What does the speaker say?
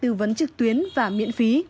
tư vấn trực tuyến và miễn phí